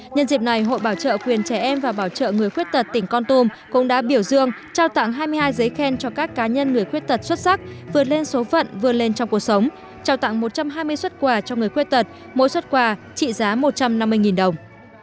nhân dịp này hội bảo trợ quyền trẻ em và bảo trợ người khuyết tật tỉnh con tum cũng đã biểu dương trao tặng hai mươi hai giấy khen cho các cá nhân người khuyết tật xuất sắc vượt lên số phận vượt lên trong cuộc sống trao tặng một trăm hai mươi xuất quà cho người khuyết tật mỗi xuất quà trị giá một trăm năm mươi đồng